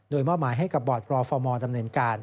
โดยเมื่อมาให้กระบอดปรฟมดำเนินการ